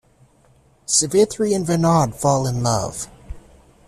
Savithri and Vinod fall in love.